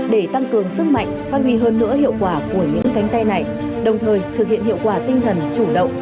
để tăng cường sức mạnh phát huy hơn nữa hiệu quả của những cánh tay này đồng thời thực hiện hiệu quả tinh thần chủ động